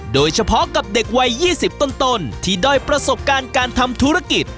โดยเฉพาะกับเด็กวัย๒๐ต้นที่ด้อยประสบการณ์การทำธุรกิจ